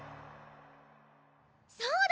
そうだ！